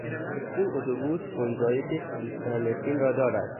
این اتوبوس گنجایش سی سرنشین را دارد.